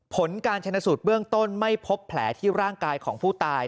ผลการชนสูตรเบื้องต้นไม่พบแผลที่ร่างกายของผู้ตาย